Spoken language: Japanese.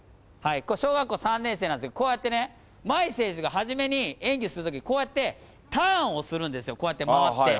小学校３年生なんですけど、こうやってね、茉愛選手が初めに演技するとき、こうやってターンをするんですよ、こうやって回って。